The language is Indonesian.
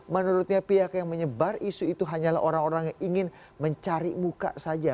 menurutnya pihak yang menyebar isu itu hanyalah orang orang yang ingin mencari muka saja